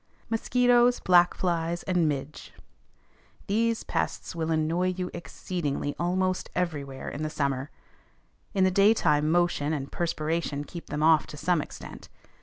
MOSQUITOES, BLACK FLIES, AND MIDGE. These pests will annoy you exceedingly almost everywhere in the summer. In the daytime motion and perspiration keep them off to some extent.